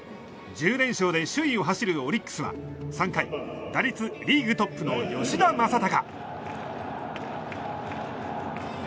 １０連勝で首位を走るオリックスは３回、打率リーグトップの吉田正尚。